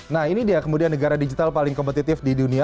nah ini dia kemudian negara digital paling kompetitif di dunia